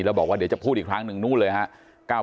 แล้วบอกว่าเดี๋ยวจะพูดอีกครั้งหนึ่งนู่นเลยครับ